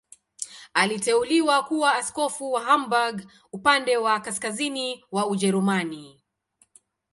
Aliteuliwa kuwa askofu wa Hamburg, upande wa kaskazini wa Ujerumani.